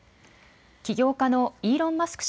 起業家のイーロン・マスク